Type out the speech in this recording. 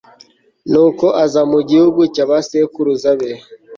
nuko aza mu gihugu cy'abasekuruza be